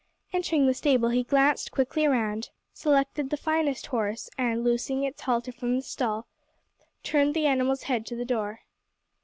Entering the stable he glanced quickly round, selected the finest horse, and, loosing its halter from the stall, turned the animal's head to the door.